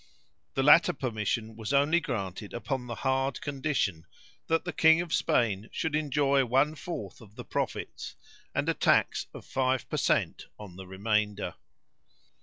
The latter permission was only granted upon the hard condition, that the King of Spain should enjoy one fourth of the profits, and a tax of five per cent on the remainder.